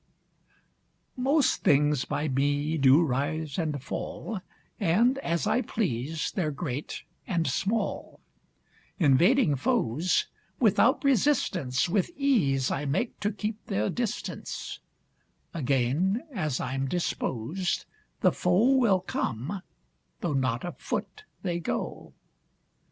Most things by me do rise and fall, And, as I please, they're great and small; Invading foes without resistance, With ease I make to keep their distance: Again, as I'm disposed, the foe Will come, though not a foot they go.